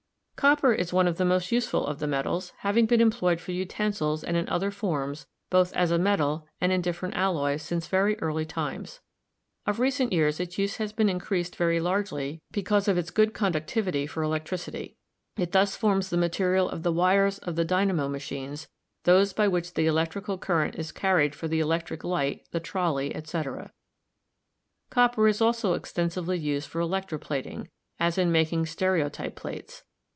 Copper is one of the most useful of the metals, having been employed for utensils and in other forms, both as a metal and in different alloys, since very early times. Of recent years its use has been increased very largely be cause of its good conductivity for electricity. It thus forms the material of the wires of the dynamo machines, those by which the electrical current is carried for the elec tric light, the trolley, etc. Copper is also extensively used for electroplating, as in making stereotype plates.